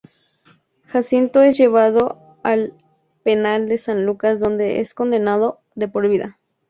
Jacinto es llevado al penal de San Lucas donde es condenado de por vida.